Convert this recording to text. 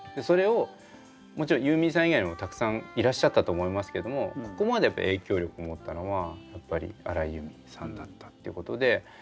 それをもちろんユーミンさん以外にもたくさんいらっしゃったと思いますけどもここまでやっぱ影響力を持ったのはやっぱり荒井由実さんだったっていうことで。